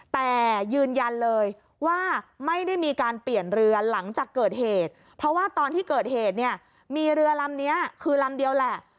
แต่ยืนยันเลยว่าไม่ได้มีการเปลี่ยนเรือหลังจากเกิดเหตุเพราะว่าตอนที่เกิดเหตุเนี่ยมีเรือลำนี้คือลำเดียวแหละ